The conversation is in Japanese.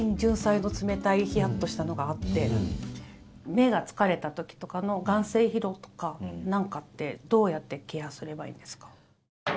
目が疲れた時とかの眼精疲労とかなんかってどうやってケアすればいいですか？